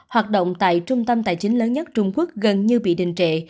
hoạt động tại trung tâm tài chính lớn nhất trung quốc gần như bị đình trệ